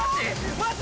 マジ？